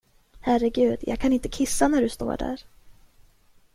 Herregud, jag kan inte kissa när du står där.